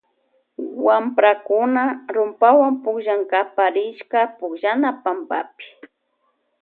Wamprakuna rumpawan pukllnakapa rishka pukllaypampapi.